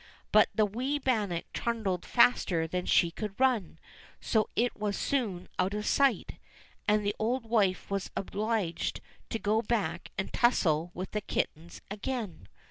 But the wee bannock trundled faster than she could run, so it was soon out of sight, and the old wife was obliged to go back and tussle with the kittens again.